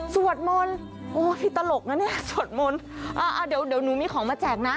สวดมนต์โอ้ยตลกนะเนี่ยสวดมนต์อ่าอ่าเดี๋ยวเดี๋ยวหนูมีของมาแจกนะ